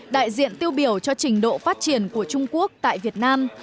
đại diện tiêu biểu cho trình độ phát triển của trung quốc tại việt nam